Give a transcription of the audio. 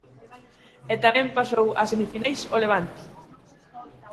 E tamén pasou a semifinais o Levante.